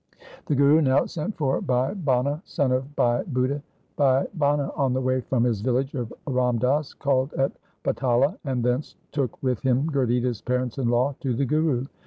The Guru now sent for Bhai Bhana, son of Bhai Budha. Bhai Bhana on the way from his village of Ramdas called at Batala, and thence took with him Gurditta's parents in law to the Guru.